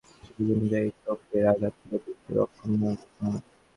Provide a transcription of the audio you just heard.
বেশির ভাগেরই মৃত্যু হয়েছে শরীরের বিভিন্ন জায়গায় কোপের আঘাত থেকে অতিরিক্ত রক্তক্ষরণে।